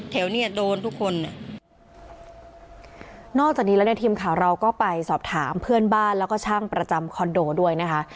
เนี่ยโดนทุกคนนอกจากนี้แล้วเนี่ยทีมข่าวเราก็ไปสอบถามเพื่อนบ้านแล้วก็ช่างประจำคอนโดด้วยนะคะ